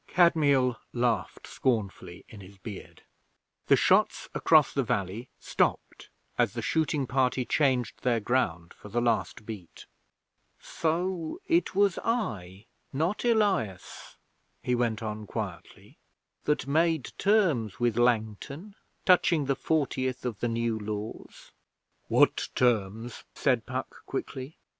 Kadmiel laughed scornfully in his beard. The shots across the valley stopped as the shooting party changed their ground for the last beat. 'So it was I, not Elias,' he went on quietly, 'that made terms with Langton touching the fortieth of the New Laws.' 'What terms?' said Puck quickly.